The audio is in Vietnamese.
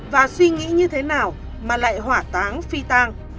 và suy nghĩ như thế nào mà lại hỏa táng phi tang